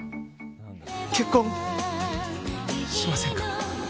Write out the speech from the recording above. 結婚しませんか。